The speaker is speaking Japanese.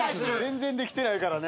全然できてないからね。